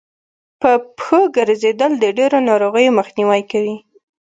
په پښو ګرځېدل د ډېرو ناروغيو مخنیوی کوي